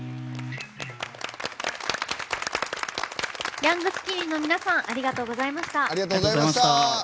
ヤングスキニーの皆さんありがとうございました。